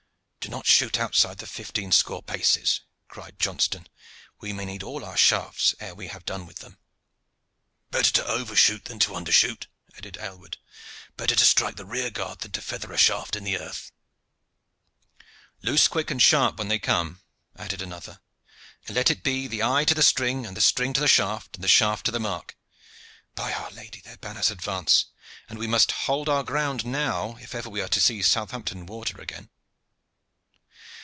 "Do not shoot outside the fifteen score paces," cried Johnston. "We may need all our shafts ere we have done with them." "Better to overshoot than to undershoot," added Aylward. "Better to strike the rear guard than to feather a shaft in the earth." "Loose quick and sharp when they come," added another. "Let it be the eye to the string, the string to the shaft, and the shaft to the mark. By Our Lady! their banners advance, and we must hold our ground now if ever we are to see Southampton Water again."